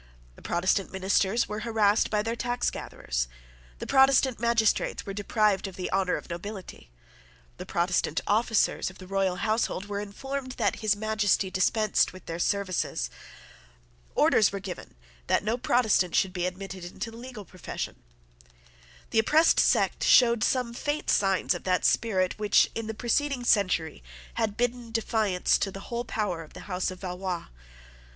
The Protestant ministers were harassed by the tax gatherers. The Protestant magistrates were deprived of the honour of nobility. The Protestant officers of the royal household were informed that His Majesty dispensed with their services. Orders were given that no Protestant should be admitted into the legal profession. The oppressed sect showed some faint signs of that spirit which in the preceding century had bidden defiance to the whole power of the House of Valois.